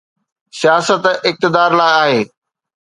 سياست اقتدار لاءِ آهي.